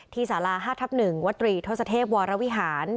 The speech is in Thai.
ที่ศาลา๕๑วัตรีทศวรวิหาร